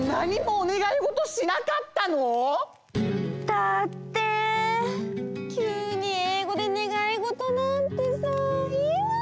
だってきゅうにえいごでねがいごとなんてさいえないよ！